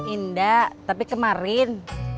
indah tapi kemarin